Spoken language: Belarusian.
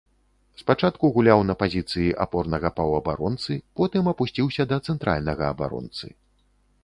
Спачатку гуляў на пазіцыі апорнага паўабаронцы, потым апусціўся да цэнтральнага абаронцы.